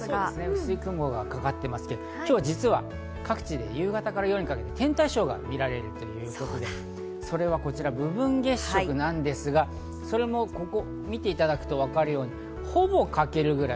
薄い雲がかかっていますが、今日実は各地で夕方から夜にかけて天体ショーが見られるということでそれがこちら部分月食なんですが、それもここを見ていただくとわかる通り、ほぼ欠けるくらい。